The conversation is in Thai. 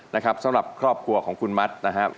นะครับสำหรับครอบครัวของคุณมัดนะครับ